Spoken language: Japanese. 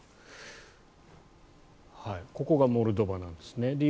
ここがモルドバなんですね。